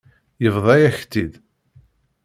Yebḍa-yak-tt-id.